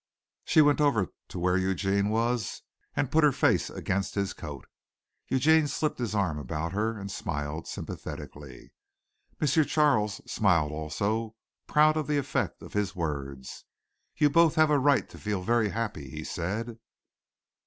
She went over to where Eugene was and put her face against his coat. Eugene slipped his arm about her and smiled sympathetically. M. Charles smiled also, proud of the effect of his words. "You both have a right to feel very happy," he said.